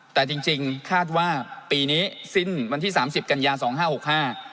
แต่จริงคาดว่าปีนี้สิ้นวันที่๓๐กันยา๒๕๖๕